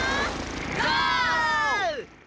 ゴー！